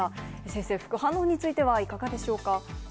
先生、副反応についてはいかがでしょうか。